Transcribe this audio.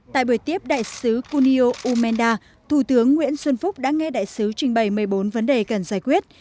tại buổi tiếp đại sứ kunio umenda thủ tướng nguyễn xuân phúc đã nghe đại sứ trình bày một mươi bốn vấn đề cần giải quyết